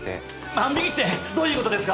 万引きってどういう事ですか！？